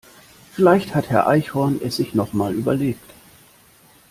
Vielleicht hat Herr Eichhorn es sich noch mal überlegt.